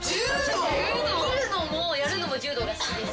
見るのもやるのも柔道が好きです。